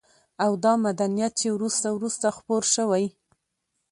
او دا مدنيت چې وروسته وروسته خپور شوى